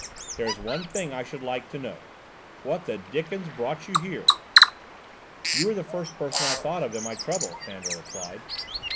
"There is one thing I should like to know: what the dickens brought you here?" "You were the first person I thought of in my trouble," Fandor replied.